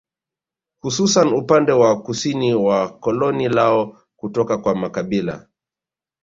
Hususan upande wa kusini wa koloni lao kutoka kwa makabila